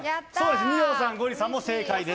二葉さんゴリエさんも正解です。